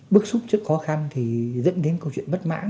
bước xúc trước khó khăn thì dẫn đến câu chuyện bất mạng